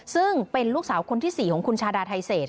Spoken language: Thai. ซึ่งเป็นลูกสาวคนที่๔ของคุณชาดาไทเศษ